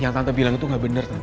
yang tante bilang itu gak bener tante